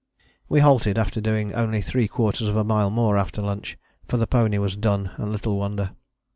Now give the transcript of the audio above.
We halted after doing only ¾ mile more after lunch; for the pony was done, and little wonder.